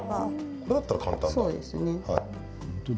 これだったら簡単。